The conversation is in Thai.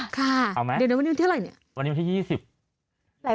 ค่ะวันนี้วันนี้ที่อะไรเนี่ย